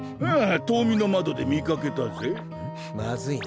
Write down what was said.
ああ遠見の窓で見かけたぜ。